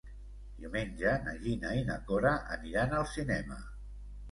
Diumenge na Gina i na Cora aniran al cinema.